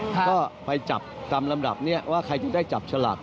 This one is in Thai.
ก็ไปจับตามลำดับนี้ว่าใครที่ได้จับฉลาก